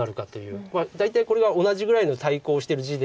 大体これが同じぐらいの対抗してる地で。